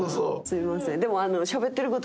すいません。